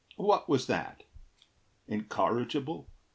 What was that? Incorrigible?